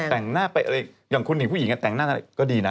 แต่งหน้าไปอะไรอย่างคุณหญิงผู้หญิงแต่งหน้าอะไรก็ดีนะ